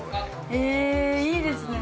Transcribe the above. えっいいですね